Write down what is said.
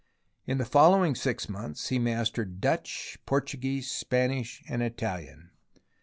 In the following six months he mastered Dutch, Portuguese, Spanish and Italian.